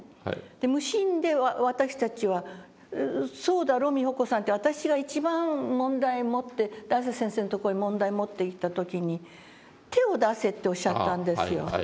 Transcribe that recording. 無心で私たちは「そうだろ美穂子さん」って私が一番問題を持って大拙先生のとこへ問題持っていった時に「手を出せ」っておっしゃったんですよ。